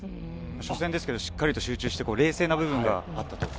初戦ですけどしっかりと集中して冷静な部分があったと。